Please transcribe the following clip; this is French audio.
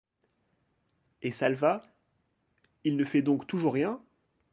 Et Salvat, il ne fait donc toujours rien?